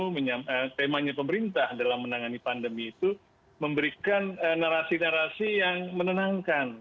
karena temanya pemerintah dalam menangani pandemi itu memberikan narasi narasi yang menenangkan